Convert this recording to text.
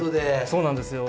そうなんですよ。